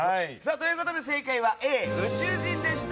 ということで正解はＡの宇宙人でした。